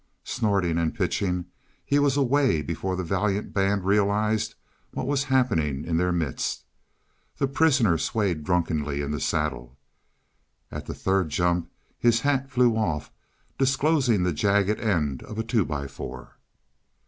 Snorting and pitching, he was away before the valiant band realized what was happening in their midst. The prisoner swayed drunkenly in the saddle. At the third jump his hat flew off, disclosing the jagged end of a two by four.